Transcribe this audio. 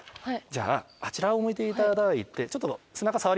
じゃああちらを向いていただいてちょっと背中触りますよ。